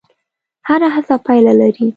هره هڅه پایله لري.